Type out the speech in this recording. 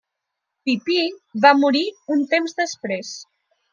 Pipí va morir un temps després.